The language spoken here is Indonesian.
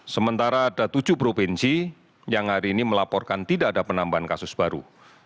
sementara ada tujuh provinsi yang hari ini melaporkan tidak ada penambahan kasus baru